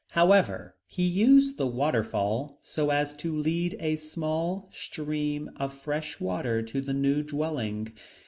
However, he used the waterfall so as to lead a small stream of fresh water to the new dwelling.